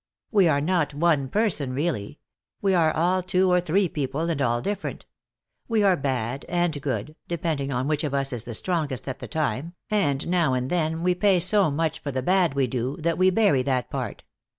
"We are not one person, really. We are all two or three people, and all different. We are bad and good, depending on which of us is the strongest at the time, and now and then we pay so much for the bad we do that we bury that part.